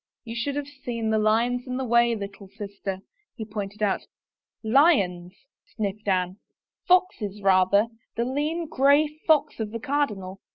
" You should have seen the lions in the way, little sister," he pointed out. " Lions !" sniffed Anne. " Foxes rather — the lean, gray fox of the cardinal.